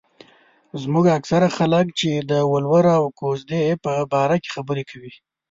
زموږ اکثره خلک چې د ولور او کوژدو په باره کې خبره کوي.